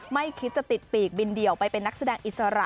ไม่คิดจะติดปีกบินเดี่ยวไปเป็นนักแสดงอิสระ